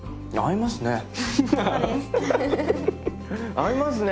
合いますね！